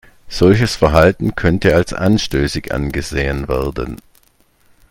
Solches Verhalten könnte als anstößig angesehen werden.